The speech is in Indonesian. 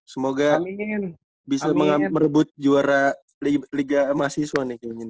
semoga bisa merebut juara liga mahasiswa nih